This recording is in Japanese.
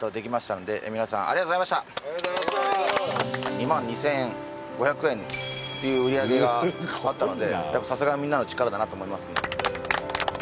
２万２，５００円という売上があったのでやっぱさすがみんなの力だなと思います。